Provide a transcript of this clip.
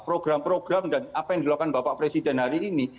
program program dan apa yang dilakukan bapak presiden hari ini